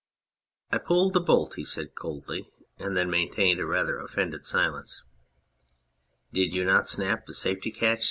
"" I pulled the bolt," said he coldly, and then maintained rather an offended silence. "Did you not snap the safety catch